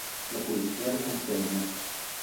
La polizia lo conferma.